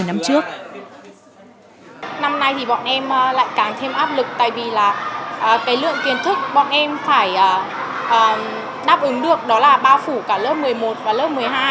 năm nay thì bọn em lại càng thêm áp lực tại vì là cái lượng kiến thức bọn em phải đáp ứng được đó là bao phủ cả lớp một mươi một và lớp một mươi hai